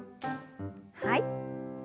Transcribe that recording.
はい。